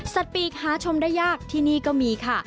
ปีกหาชมได้ยากที่นี่ก็มีค่ะ